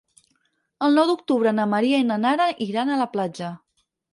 El nou d'octubre na Maria i na Nara iran a la platja.